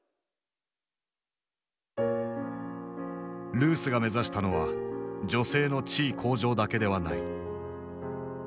ルースが目指したのは女性の地位向上だけではない。